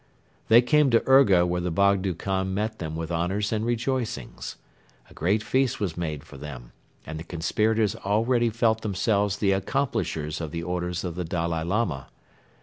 They came to Urga where the Bogdo Khan met them with honors and rejoicings. A great feast was made for them and the conspirators already felt themselves the accomplishers of the orders of the Dalai Lama.